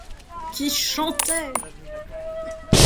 Qui chantait !